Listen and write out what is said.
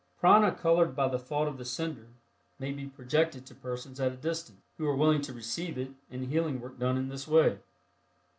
Prana colored by the thought of the sender may be projected to persons at a distance, who are willing to receive it, and healing work done in this way.